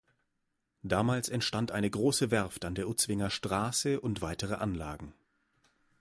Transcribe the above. Damals entstand eine große Werft an der Utzwinger Straße und weitere Anlagen.